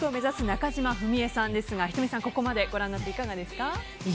中島史恵さんですが仁美さん、ここまでご覧になっていかがですか？